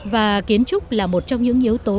và kiến trúc là một trong những yếu tố